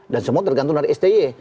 dan semua tergantung dari sti